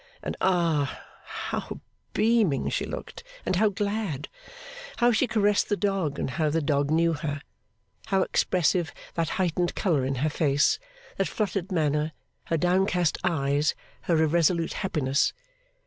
And ah! how beaming she looked, and how glad! How she caressed the dog, and how the dog knew her! How expressive that heightened colour in her face, that fluttered manner, her downcast eyes, her irresolute happiness!